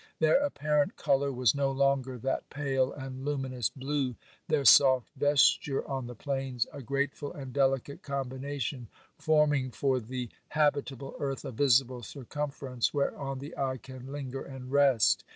Their apparent colour was no longer that pale and luminous blue ; their soft vesture on the plains, a grateful and delicate combination, forming OBERMANN 41 for the habitable earth a visible circumference whereon the eye can linger and rest.